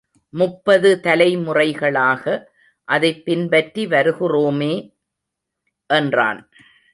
முப்பது தலைமுறைகளாக அதைப் பின்பற்றி வருகிறோமே! என்றான்.